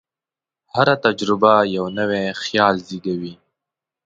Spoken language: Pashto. هره تجربه یو نوی خیال زېږوي.